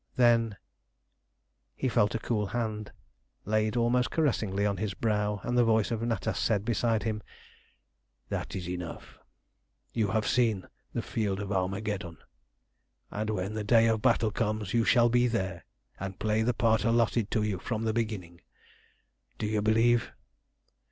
Then He felt a cool hand laid almost caressingly on his brow, and the voice of Natas said beside him "That is enough. You have seen the Field of Armageddon, and when the day of battle comes you shall be there and play the part allotted to you from the beginning. Do you believe?"